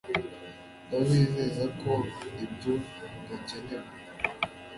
ndabizeza ko ibyo bidakenewe